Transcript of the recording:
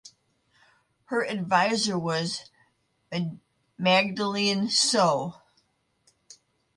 Her advisor was Magdalene So.